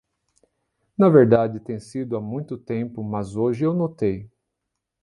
Na verdade, tem sido há muito tempo, mas hoje eu notei.